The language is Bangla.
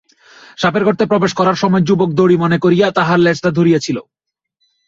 সাপের গর্তে প্রবেশ করার সময় যুবক দড়ি মনে করিয়া তাহার লেজটা ধরিয়াছিল।